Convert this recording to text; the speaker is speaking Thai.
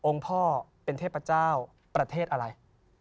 พ่อเป็นเทพเจ้าประเทศอะไร